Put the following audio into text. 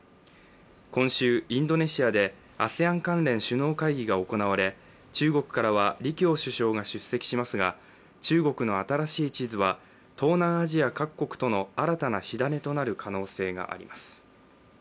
今週、インドネシアでＡＳＥＡＮ関連首脳会議が行われ、中国からは李強首相が出席しますが中国の新しい地図は東南アジア各国との新たな火種となる可能性があります。